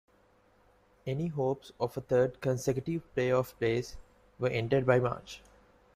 Any hopes of a third consecutive play-off place were ended by March.